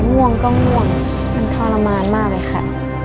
ง่วงก็ง่วงมันทรมานมากเลยค่ะ